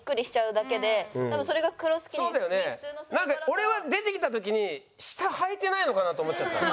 俺は出てきた時に下はいてないのかなと思っちゃった。